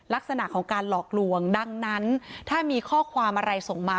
ลักษณะของการหลอกลวงดังนั้นถ้ามีข้อความอะไรส่งมา